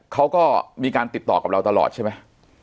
เขาก็มีการติดต่อกับเราตลอดใช่ไหม